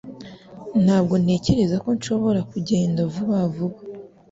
Ntabwo ntekereza ko nshobora kugenda vuba vuba